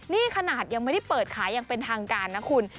นี่ขนาดยังไม่ได้เปิดขายอย่างเป็นทางการนะคุณ